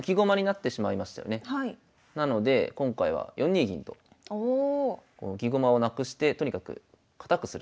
なので今回は４二銀と浮き駒をなくしてとにかく堅くするという堅いですね。